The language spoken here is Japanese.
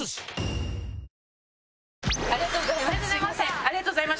ありがとうございます。